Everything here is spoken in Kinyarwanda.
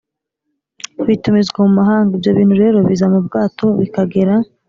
bitumizwa mu mahanga, ibyo bintu rero biza mu bwato bikagera